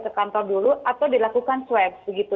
ke kantor dulu atau dilakukan swab begitu